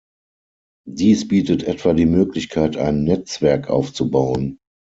Dies bietet etwa die Möglichkeit, ein Netzwerk aufzubauen.